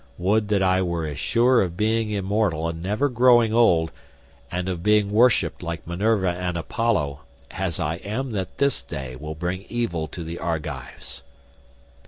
Would that I were as sure of being immortal and never growing old, and of being worshipped like Minerva and Apollo, as I am that this day will bring evil to the Argives."